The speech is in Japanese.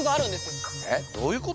えっどういうこと？